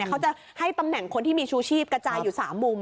เขาจะให้ตำแหน่งคนที่มีชูชีพกระจายอยู่๓มุม